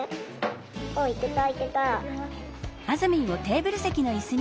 おいけたいけた。